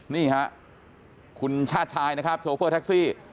นี่ฮะคุณชาติชายนะครับโชเฟอร์แท็กซี่